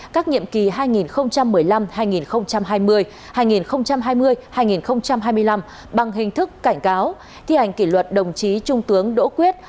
các nhiệm kỳ hai nghìn một mươi năm hai nghìn hai mươi hai nghìn hai mươi hai nghìn hai mươi năm bằng hình thức cảnh cáo thi hành kỷ luật đồng chí trung tướng đỗ quyết